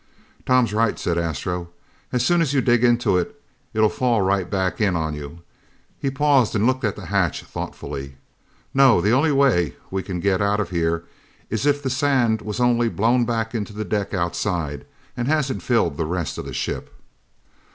"Tom's right," said Astro. "As soon as you dig into it, it'll fall right back in on you." He paused and looked at the hatch thoughtfully. "No. The only way we can get out of here is if the sand was only blown into the deck outside and hasn't filled the rest of the ship."